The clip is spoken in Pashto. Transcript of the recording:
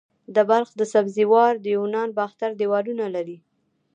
د بلخ د سبزې وار د یوناني باختر دیوالونه لري